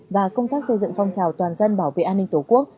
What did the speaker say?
và công tác xây dựng phong trào toàn dân bảo vệ an ninh tổ quốc